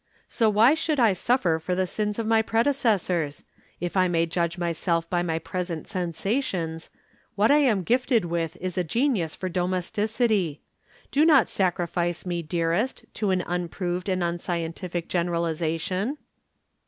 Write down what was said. So why should I suffer for the sins of my predecessors? If I may judge myself by my present sensations, what I am gifted with is a genius for domesticity. Do not sacrifice me, dearest, to an unproved and unscientific generalization."